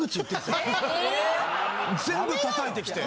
全部叩いてきて。